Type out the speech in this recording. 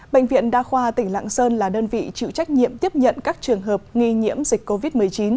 bệnh viện đa khoa tỉnh lạng sơn là đơn vị chịu trách nhiệm tiếp nhận các trường hợp nghi nhiễm dịch covid một mươi chín